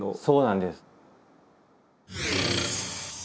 そうなんです。